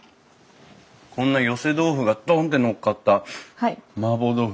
こんな寄せ豆腐がドンってのっかった麻婆豆腐